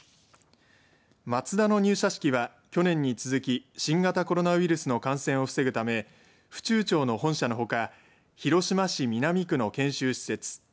マツダの入社式は去年に続き新型コロナウイルスの感染を防ぐため府中町の本社のほか広島市南区の研修施設